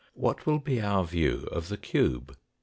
What will be our view of the cube